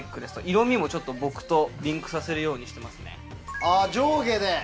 色みも僕とリンクさせるようにしてますね。